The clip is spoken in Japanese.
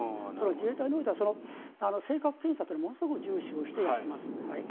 自衛隊においては性格検査はものすごく重視してやっています。